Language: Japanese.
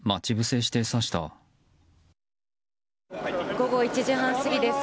午後１時半過ぎです。